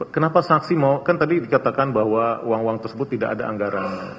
kenapa sanksi mau kan tadi dikatakan bahwa uang uang tersebut tidak ada anggaran